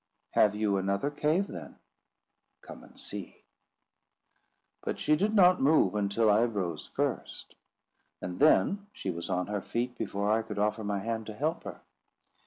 "Have you another cave, then?" "Come and see." But she did not move until I rose first, and then she was on her feet before I could offer my hand to help her.